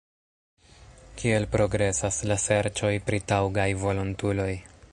Kiel progresas la serĉoj pri taŭgaj volontuloj?